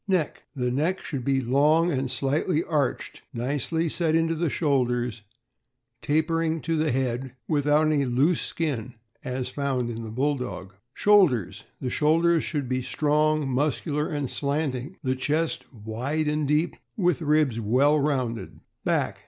Neck. — The neck should be long and slightly arched, nicely set into the shoulders, tapering to the head, without any loose skin, as found in the Bulldog. Shoulders. — The shoulders should be strong, muscular, and slanting ; the chest wide and deep, with ribs well rounded. Back.